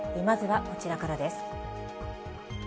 まずはこちらからです。